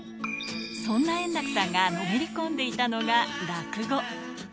そんな円楽さんがのめり込んでいたのが、落語。